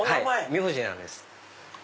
名字なんです。